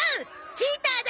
チーターだ！